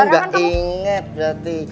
kamu gak inget berarti